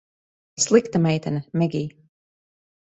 Slikta meitene, Megij.